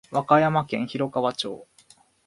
和歌山県広川町